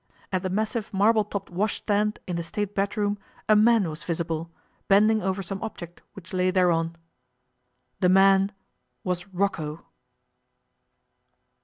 At the massive marble topped washstand in the State bedroom a man was visible, bending over some object which lay thereon. The man was Rocco!